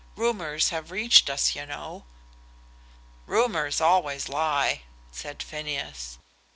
Rumours have reached us, you know." "Rumours always lie," said Phineas.